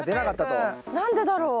何でだろう？